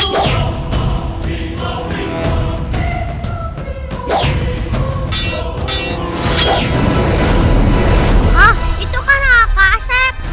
itu kan akas